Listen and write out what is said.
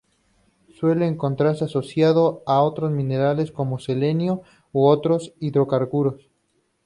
Suele encontrarse asociado a otros minerales como: selenio u otros hidrocarburos.